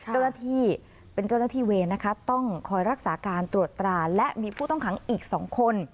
เจ้าหน้าที่เป็นเจ้าหน้าที่เวรนะคะต้องคอยรักษาการตรวจตราและมีผู้ต้องขังอีก๒คน